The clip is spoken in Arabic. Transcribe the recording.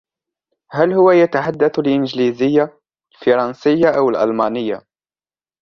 هل هو يتحدث الإنجليزية, الفرنسية أو الألمانية؟